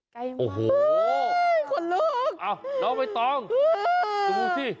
ใกล้มากโอ้โหคนลูกเอาไปต้องตรงที่